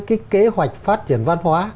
cái kế hoạch phát triển văn hóa